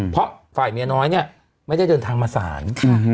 เพราะฝ่ายเมียน้อยเนี่ยไม่ได้เดินทางมาศาล